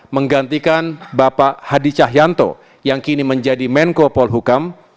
menggantikan bapak hadi cahyanto yang kini menjadi menko polhukam